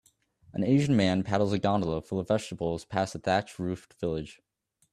An Asian man paddles a gondola full of vegetables past a thatch roofed village